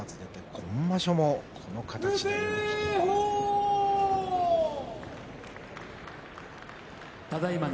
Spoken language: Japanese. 今場所もこの形で勝っています。